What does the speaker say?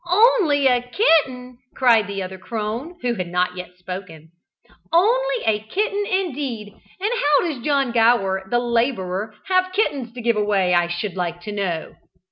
"Only a kitten!" cried the other crone, who had not yet spoken; "only a kitten, indeed! and how does John Gower the labourer have kittens to give away, I should like to know?